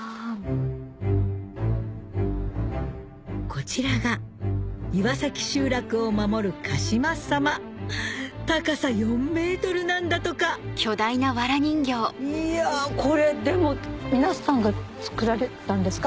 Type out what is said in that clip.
こちらが岩崎集落を守る高さ４ｍなんだとかいやこれでも皆さんが作られたんですか？